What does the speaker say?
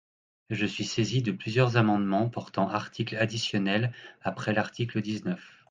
Je suis saisi de plusieurs amendements portant articles additionnels après l’article dix-neuf.